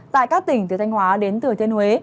tại các tỉnh từ thanh hóa đến thên huế